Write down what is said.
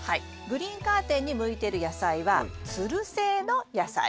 グリーンカーテンに向いてる野菜はつる性の野菜。